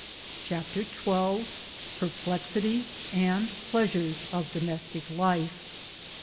CHAPTER XII. PEBPLEXrriES AND PLEASUEES OF DOMESTIC LIFE.